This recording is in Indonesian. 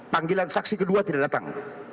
panggilan saksi kedua tidak datang